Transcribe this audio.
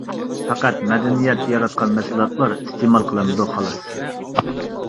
پەقەت مەدەنىيەت ياراتقان مەھسۇلاتلار ئىستېمال قىلىنىدۇ، خالاس.